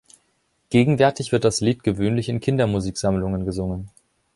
Gegenwärtig wird das Lied gewöhnlich in Kindermusiksammlungen gesungen.